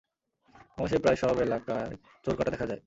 বাংলাদেশের প্রায় সব এলাকায় চোরকাঁটা দেখা যায়।